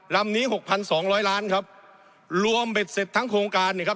ลำนี้หกพันสองร้อยล้านครับรวมเบ็ดเสร็จทั้งโครงการเนี่ยครับ